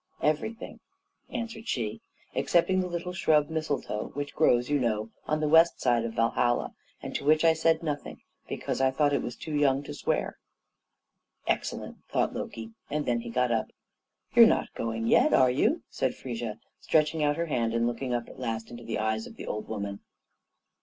"Everything," answered she, "excepting the little shrub mistletoe, which grows, you know, on the west side of Valhalla, and to which I said nothing, because I thought it was too young to swear." "Excellent!" thought Loki, and then he got up. "You're not going yet, are you?" said Frigga, stretching out her hand and looking up at last into the eyes of the old woman.